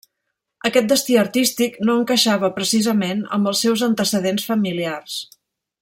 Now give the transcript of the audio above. Aquest destí artístic no encaixava precisament amb els seus antecedents familiars.